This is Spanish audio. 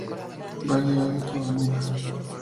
Valle Alto, av.